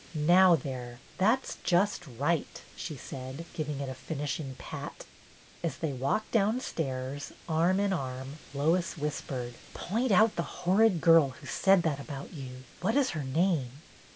"Now there, that's just right," she said, giving it a finishing pat. As they walked downstairs, arm in arm, Lois whispered, —" Point out the horrid girl who said that about you. What is her name.'